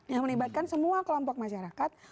yang melibatkan semua kelompok masyarakat